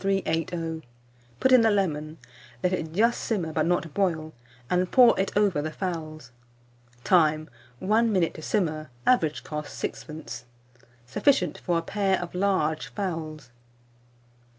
380; put in the lemon; let it just simmer, but not boil, and pour it over the fowls. Time. 1 minute to simmer. Average cost, 6d. Sufficient for a pair of large fowls.